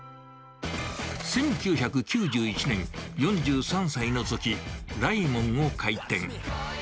１９９１年、４３歳のとき、雷文を開店。